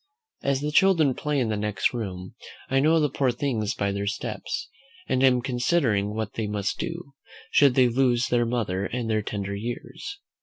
As the children play in the next room, I know the poor things by their steps, and am considering what they must do, should they lose their mother in their tender years.